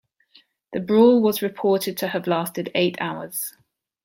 The brawl was reported to have lasted eight hours.